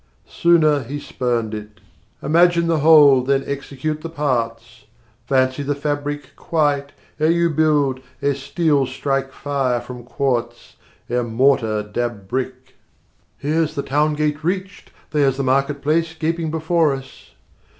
Sooner, he spurned it. Image the whole, then execute the parts Fancy the fabric 70 Quite, ere you build, ere steel strike fire from quartz, Ere mortar dab brick! (Here's the town gate reached: there's the market place Gaping before us.)